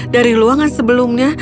dari ruangan sebelumnya